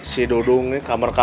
si dung ini kamar ka